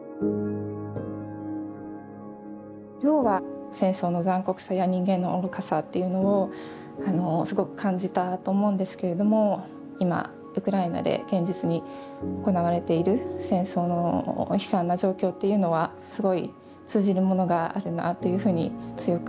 ルオーは戦争の残酷さや人間の愚かさをすごく感じたと思うんですけれども今ウクライナで現実に行われている戦争の悲惨な状況というのはすごい通じるものがあるなというふうに強く感じます。